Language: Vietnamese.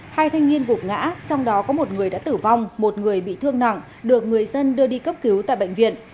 hai thanh niên gục ngã trong đó có một người đã tử vong một người bị thương nặng được người dân đưa đi cấp cứu tại bệnh viện